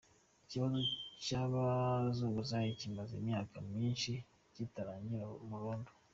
Ikibazo cy’abazunguzayi kimaze imyaka myinshi kitarangira burundu.